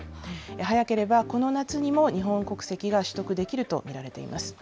早ければこの夏にも日本国籍が取得できると見られています。